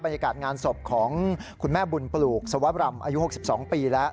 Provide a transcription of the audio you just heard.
บรรยากาศงานศพของคุณแม่บุญปลูกสวัสดิ์บรรมอายุ๖๒ปีแล้ว